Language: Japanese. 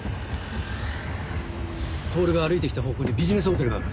透が歩いて来た方向にビジネスホテルがある。